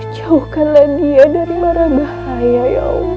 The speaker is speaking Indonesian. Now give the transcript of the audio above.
jauhkanlah dia dari marah bahaya ya allah